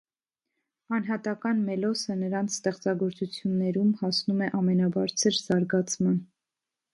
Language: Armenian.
Անհատական մելոսը նրանց ստեղծագործություններում հասնում է ամենաբարձր զարգացման։